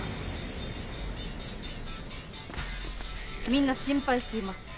みんな心配しています